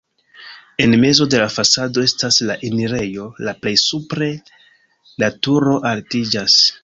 En mezo de la fasado estas la enirejo, la plej supre la turo altiĝas.